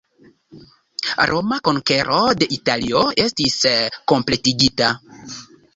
Roma konkero de Italio estis kompletigita.